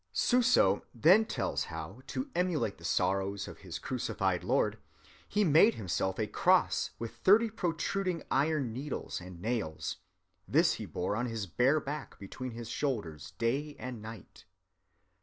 Suso then tells how, to emulate the sorrows of his crucified Lord, he made himself a cross with thirty protruding iron needles and nails. This he bore on his bare back between his shoulders day and night.